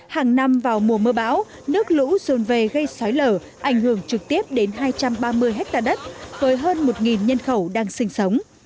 hàng năm vào mùa mưa bão nước lũ rồn về gây xói lở ảnh hưởng trực tiếp đến hai trăm ba mươi hectare đất với hơn một nhân khẩu đang sinh sống